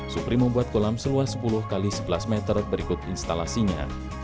supri membuat kolam seluas sepuluh x sebelas meter berikut instalasinya